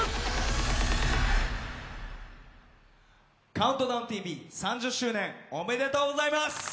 「ＣＤＴＶ」３０周年おめでとうございます！